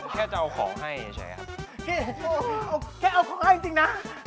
แค่เอาของให้จริงนะ